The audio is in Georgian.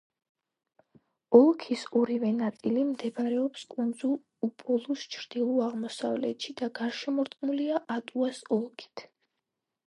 ოლქის ორივე ნაწილი მდებარეობს კუნძულ უპოლუს ჩრდილო-აღმოსავლეთში და გარშემორტყმულია ატუას ოლქით.